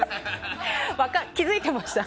気づいてました？